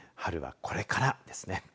春は、これからですね。